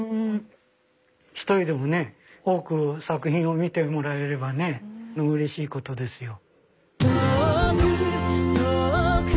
一人でもね多く作品を見てもらえればねうれしいことですよ。